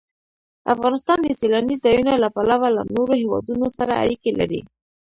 افغانستان د سیلانی ځایونه له پلوه له نورو هېوادونو سره اړیکې لري.